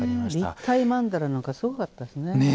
立体曼荼羅なんかすごかったですね。